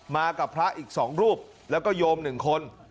มากับพระอีกสองรูปแล้วก็โยมหนึ่งคน